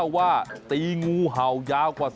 คุณลุงมันอาจจะเป็นเสียงยางรั่วก็ได้นะ